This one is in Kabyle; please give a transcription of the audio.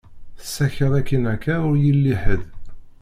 Tessaked akin akka, ur yelli ḥed.